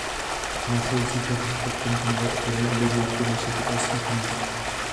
V následujících letech pak komponoval opery na objednávku dalších italských měst.